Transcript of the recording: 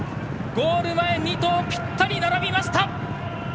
ゴール前２頭ぴったり並びました！